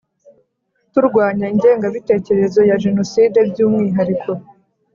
turwanya ingengabitekerezo ya Jenoside by umwihariko